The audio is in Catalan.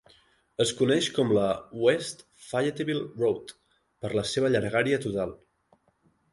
Es coneix com la "West Fayetteville Road" per la seva llargària total.